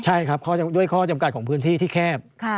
ใช่ครับด้วยข้อจำกัดของพื้นที่ที่แคบ